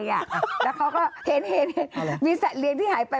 แล้วเขาก็เห็นมีสัตว์เลี้ยงที่หายไป